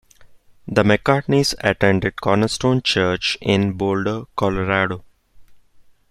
The McCartneys attend Cornerstone Church in Boulder, Colorado.